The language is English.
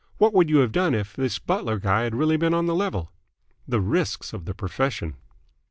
What would you have done if this butler guy had really been on the level?" "The risks of the profession!"